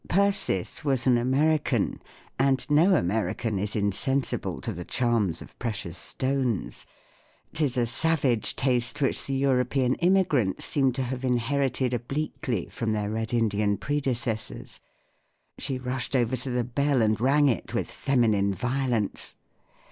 Persis was an American, and no American is in¬ sensible to the charms of precious stones; 'tis a savage taste which the European immi¬ grants seem to have inherited obliquely from their Red Indian predecessors. She rushed over to the bell and rang it with feminine violence.